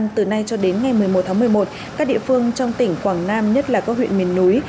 từ nay cho đến ngày một mươi một tháng một mươi một các địa phương trong tỉnh quảng nam nhất là các huyện miền núi